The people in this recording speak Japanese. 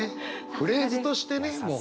フレーズとしてねもう。